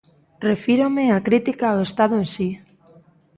Refírome á crítica ao Estado en si.